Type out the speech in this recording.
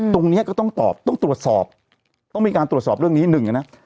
ตรงนี้ก็ต้องตอบต้องตรวจสอบต้องมีการตรวจสอบเรื่องนี้หนึ่งนะ